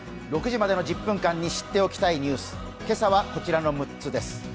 ６時までの１０分間に知っておきたいニュース、今朝はこちらの６つです。